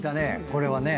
これはね。